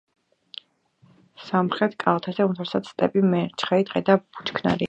სამხრეთ კალთაზე უმთავრესად სტეპი, მეჩხერი ტყე და ბუჩქნარია.